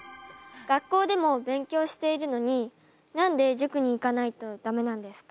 学校でも勉強しているのに何で塾に行かないと駄目なんですか？